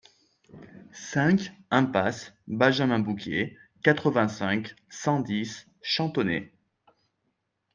cinq impasse Benjamin Bouquet, quatre-vingt-cinq, cent dix, Chantonnay